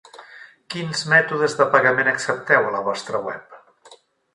Quins mètodes de pagament accepteu a la vostra web?